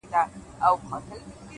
حالات چي سوزوي! ستا په لمن کي جانانه!